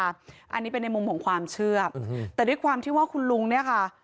อันนี้เป็นในมุมของความเชื่อแต่ด้วยความที่ว่าคุณลุงเนี่ยค่ะ